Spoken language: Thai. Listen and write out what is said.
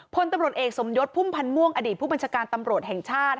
พลตำรวจเอกสมยศพุ่มพันธ์ม่วงอดีตผู้บัญชาการตำรวจแห่งชาติ